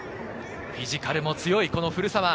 フィジカルも強い古澤。